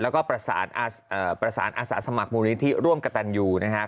แล้วก็ประสานอาสาสมัครมูลนิธิร่วมกระตันยูนะครับ